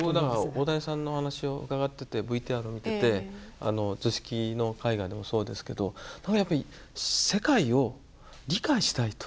大谷さんのお話を伺っててＶＴＲを見てて図式の絵画でもそうですけどやっぱり世界を理解したいと。